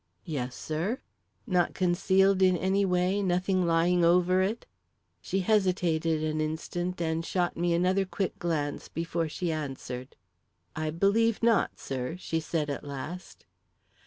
"Yes, sir." "Not concealed in any way nothing lying over it?" She hesitated an instant, and shot me another quick glance before she answered. "I believe not, sir," she said at last.